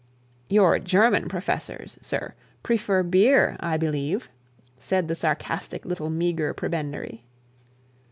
'Your German professors, sir, prefer beer, I believe,' said the sarcastic little meagre prebendary.